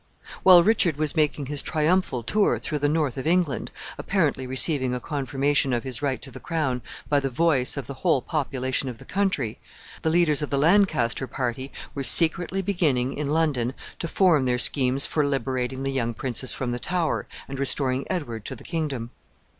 While Richard was making his triumphal tour through the north of England, apparently receiving a confirmation of his right to the crown by the voice of the whole population of the country, the leaders of the Lancaster party were secretly beginning, in London, to form their schemes for liberating the young princes from the Tower, and restoring Edward to the kingdom.